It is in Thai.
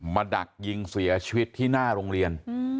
ดักยิงเสียชีวิตที่หน้าโรงเรียน